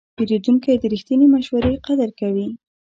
پیرودونکی د رښتینې مشورې قدر کوي.